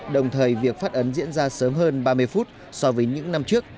đồng thời việc phát ấn diễn ra sớm hơn ba mươi phút so với những năm trước